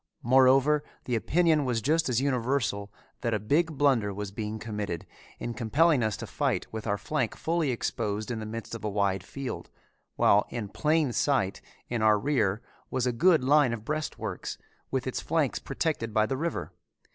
Moreover the opinion was just as universal that a big blunder was being committed in compelling us to fight with our flank fully exposed in the midst of a wide field, while in plain sight in our rear was a good line of breastworks with its flank protected by the river.